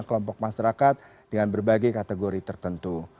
kelompok masyarakat dengan berbagai kategori tertentu